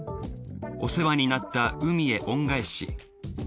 お世話になった海へ恩返し。